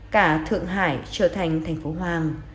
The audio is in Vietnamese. cả thượng hải trở thành thành phố hoang